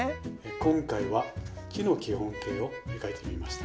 今回は木の基本形を描いてみました。